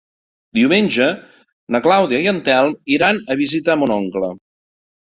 Diumenge na Clàudia i en Telm iran a visitar mon oncle.